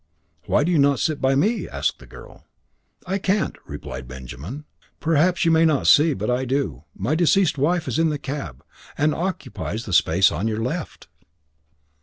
"Why do you not sit by me?" asked the girl. "I can't," replied Benjamin. "Perhaps you may not see, but I do, my deceased wife is in the cab, and occupies the place on your left."